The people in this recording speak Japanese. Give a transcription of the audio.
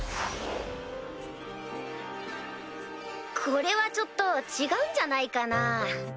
これはちょっと違うんじゃないかなぁ？